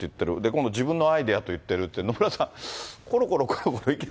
今度、自分のアイデアと言ってるって、野村さん、ころころころころ意見